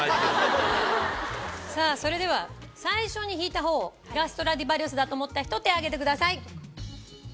さぁそれでは最初に弾いたほうがストラディバリウスだと思った人手挙げてください。